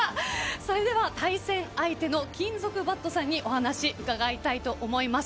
それでは対戦相手の金属バットさんにお話を伺いたいと思います。